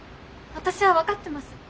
私は分かってます。